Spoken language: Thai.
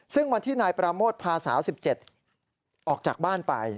ซึ่งวันที่นายปราโมทพาสาว๑๗ออกจากบ้านไป